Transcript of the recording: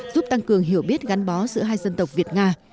giúp tăng cường hiểu biết gắn bó giữa hai dân tộc việt nga